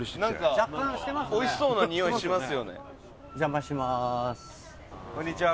お邪魔します。